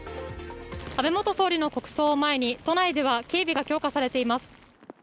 安倍元総理の国葬を前に、都内では警備が強化されています。